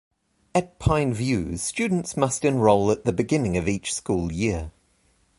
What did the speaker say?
At Pine View, students must enroll at the beginning of each school year.